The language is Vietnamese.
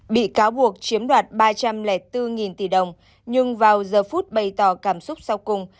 bị cáo buộc chiếm đoạt ba trăm linh bốn tỷ đồng nhưng vào giờ phút bày tỏ cảm xúc sau cùng